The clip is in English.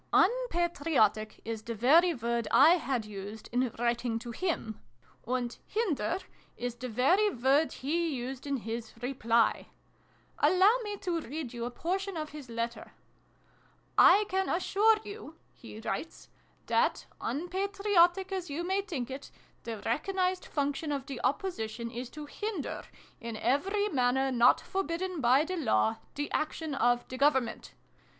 "'Unpatriotic' is the very word I had used, in writing to him, and ''hinder' is the very word he used in his reply ! Allow me to read you a portion of his letter : xin] WHAT TOTTLES MEANT. 203 "'/ can assure you' he writes, 'that, un patriotic as yoit may think it, the recognised function of the ' Opposition ' is to hinder, in every manner not forbidden by the Law, the action of the Government.